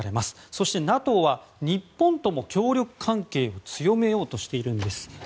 そして、ＮＡＴＯは日本とも協力関係を強めようとしているんです。